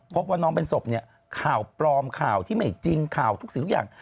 พบว่าน้องเป็นศพเนี่ยข่าวปลอมข่าวที่ไม่จริงข่าวทุกสิ่งทุกอย่าง